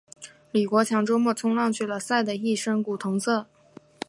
李国强周末冲浪去了，晒得一身古铜色。